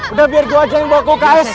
udah biar gue aja yang bawa kokais